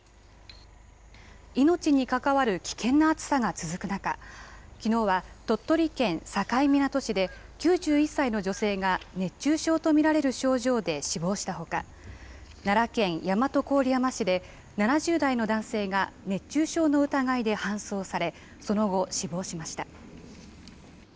命に関わる危険な暑さが続く中きのうは鳥取県境港市で９１歳の女性が熱中症と見られる症状で死亡したほか奈良県大和郡山市で７０代の男性が熱中症の疑いで搬送されその後、死亡しました。